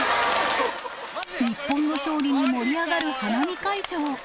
日本の勝利に盛り上がる花見会場。